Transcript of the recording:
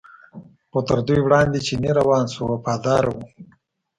خو تر دوی وړاندې چینی روان شو وفاداره و.